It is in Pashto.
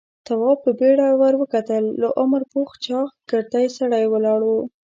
تواب په بيړه ور وکتل. له عمره پوخ چاغ، ګردی سړی ولاړ و.